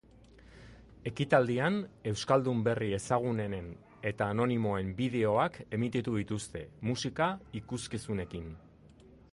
Ekitaldian euskaldun berri ezagunen eta anonimoen bideoak emititu dituzte, musika ikuskizunekin uztartuta.